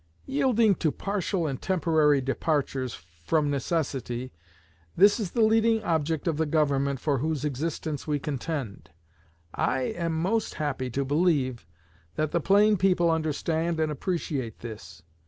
Yielding to partial and temporary departures, from necessity, this is the leading object of the Government for whose existence we contend. I am most happy to believe that the plain people understand and appreciate this.